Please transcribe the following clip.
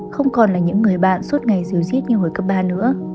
không còn là những người bạn suốt ngày diều dít như hồi cấp ba nữa